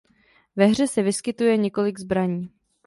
Ve hře se vyskytuje několik zbraní.